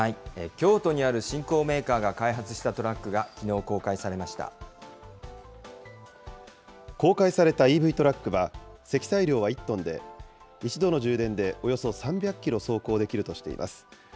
京都にある新興メーカーが開発したトラックがきのう、公開さ公開されたＥＶトラックは、積載量は１トンで、一度の充電で、およそ３００キロ走行できるとしています。